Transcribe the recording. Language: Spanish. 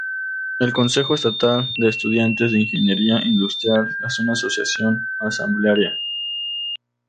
El Consejo Estatal de Estudiantes de Ingeniería Industrial es una asociación asamblearia.